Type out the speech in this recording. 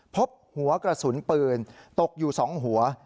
พบหัวกระสุนปืนตกอยู่๒หัว